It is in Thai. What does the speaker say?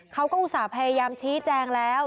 อุตส่าห์พยายามชี้แจงแล้ว